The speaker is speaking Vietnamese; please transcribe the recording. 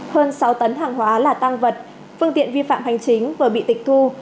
hơn sáu tấn hàng hóa là tăng vật phương tiện vi phạm hành chính vừa bị tịch thu